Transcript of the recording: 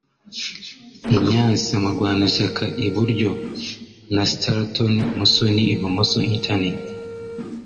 Ignace Murwanashyaka (Iburyo) na Straton Musoni (Ibumoso) (Internet)